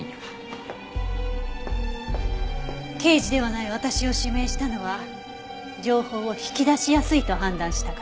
刑事ではない私を指名したのは情報を引き出しやすいと判断したから。